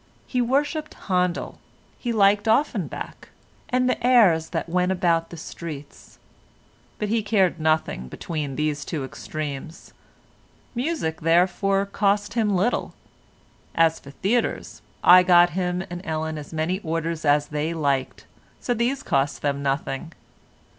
He worshipped Handel; he liked Offenbach, and the airs that went about the streets, but he cared for nothing between these two extremes. Music, therefore, cost him little. As for theatres, I got him and Ellen as many orders as they liked, so these cost them nothing.